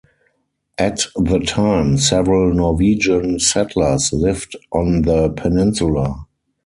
At the time, several Norwegian settlers lived on the peninsula.